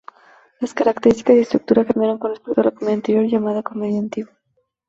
Las características y estructura cambiaron con respecto a la comedia anterior, llamada "comedia antigua".